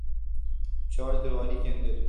توچاردیواری کے اندر۔